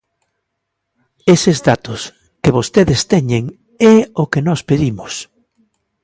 Eses datos que vostedes teñen é o que nós pedimos.